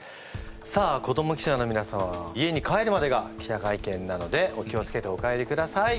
さあ子ども記者のみな様家に帰るまでが記者会見なのでお気を付けてお帰りください。